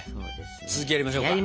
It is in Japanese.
続きやりましょうか！